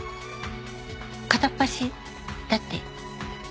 片っ端だって。